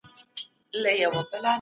چي یې زده نه وي وهل د غلیمانو